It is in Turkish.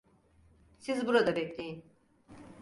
Siz burada bekleyin.